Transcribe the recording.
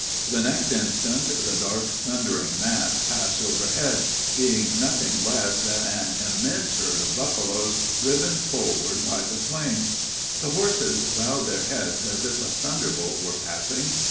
The next instant the dark, thundering mass passed overhead, being nothing less than an immense herd of buffaloes driven forward by the flames. The horses bowed their heads as if a thunderbolt were passing.